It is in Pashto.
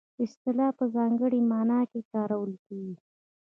اصطلاح په ځانګړې مانا کې کارول کیږي